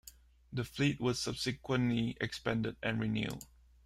The fleet was subsequently expanded and renewed.